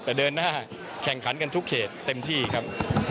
แต่เดินหน้าแข่งขันกันทุกเขตเต็มที่ครับ